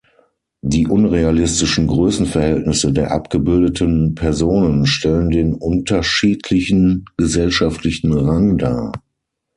Die unrealistischen Größenverhältnisse der abgebildeten Personen stellen den unterschiedlichen gesellschaftlichen Rang dar.